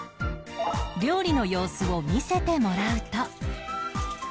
料理の様子を見せてもらうと